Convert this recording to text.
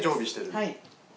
はい。